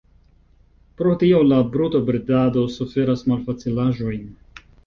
Pro tio la brutobredado suferas malfacilaĵojn.